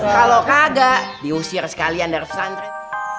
kalau kagak diusir sekalian dari pesantren